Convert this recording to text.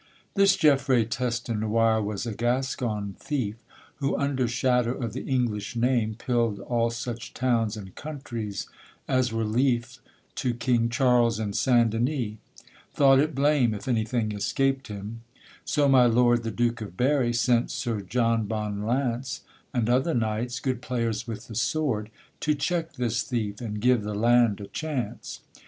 This Geffray Teste Noire was a Gascon thief, Who, under shadow of the English name, Pilled all such towns and countries as were lief To King Charles and St. Denis; thought it blame If anything escaped him; so my lord, The Duke of Berry, sent Sir John Bonne Lance, And other knights, good players with the sword, To check this thief, and give the land a chance.